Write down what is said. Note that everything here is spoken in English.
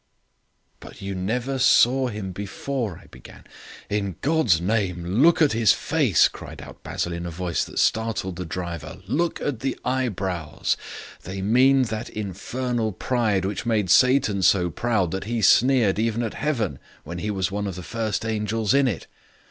"But if you never saw him before " I began. "In God's name, look at his face," cried out Basil in a voice that startled the driver. "Look at the eyebrows. They mean that infernal pride which made Satan so proud that he sneered even at heaven when he was one of the first angels in it.